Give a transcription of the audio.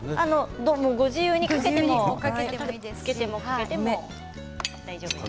ご自由につけてもかけても大丈夫です。